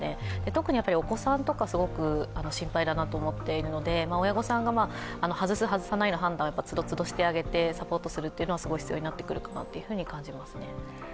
特にお子さんとか、すごく心配だなと思っているので親御さんが、外す外さないの判断は、都度都度してあげてサポートするのが大事になるかなと思いますね。